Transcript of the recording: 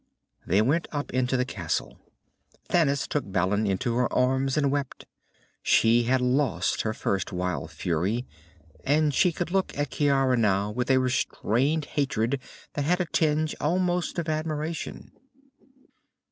They went up into the castle. Thanis took Balin into her arms, and wept. She had lost her first wild fury, and she could look at Ciara now with a restrained hatred that had a tinge almost of admiration.